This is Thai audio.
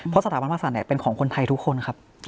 เพราะสถาบันภาษาเนี่ยเป็นของคนไทยทุกคนครับ